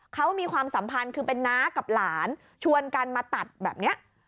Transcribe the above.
เขามีความสัมพันธ์คือเป็นน้ากับหลานชวนกันมาตัดแบบนี้